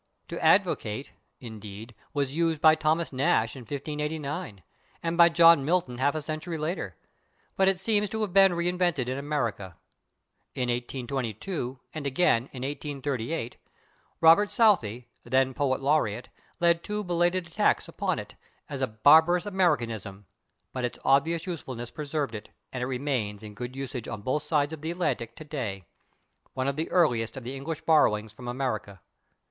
/To advocate/, indeed, was used by Thomas Nashe in 1589, and by John Milton half a century later, but it seems to have been reinvented in America. In 1822 and again in 1838 Robert Southey, then poet laureate, led two belated attacks upon it, as a barbarous Americanism, but [Pg049] its obvious usefulness preserved it, and it remains in good usage on both sides of the Atlantic today one of the earliest of the English borrowings from America.